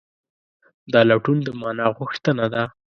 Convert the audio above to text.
دا لټون د مانا غوښتنه ده.